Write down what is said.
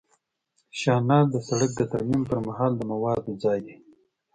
شانه د سرک د ترمیم پر مهال د موادو ځای دی